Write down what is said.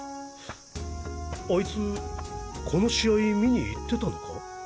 あいつこの試合観に行ってたのか？